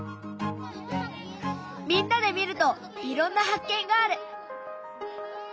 みんなで見るといろんな発見がある！